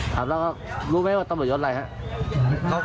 ถามแล้วก็รู้ไหมว่าตำรวจล่ะครับ